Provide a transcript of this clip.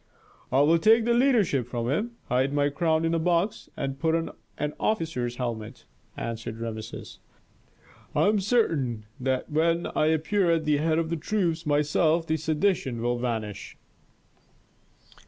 "I will take the leadership from him, hide my crown in a box, and put on an officer's helmet," answered Rameses. "I am certain that when I appear at the head of the troops myself the sedition will vanish."